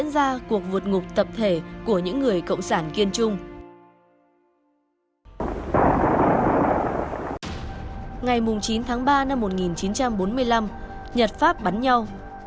ngày chín tháng ba năm một nghìn chín trăm bốn mươi năm nhật pháp bắn nhau